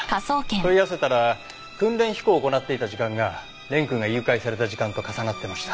問い合わせたら訓練飛行を行っていた時間が蓮くんが誘拐された時間と重なってました。